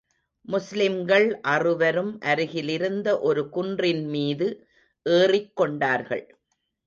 முஸ்லிம்கள் அறுவரும், அருகிலிருந்த ஒரு குன்றின் மீது ஏறிக் கொண்டார்கள்.